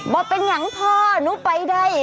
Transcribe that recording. บอกเป็นอย่างพ่อหนูไปได้